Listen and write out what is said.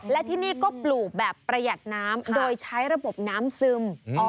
และที่นี่ก็ปลูกแบบประหยัดน้ำโดยใช้ระบบน้ำซึม